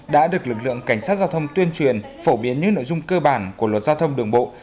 đã được lực lượng cảnh sát giao thông tuyên truyền phổ biến những nội dung cơ bản của luật giao thông đường bộ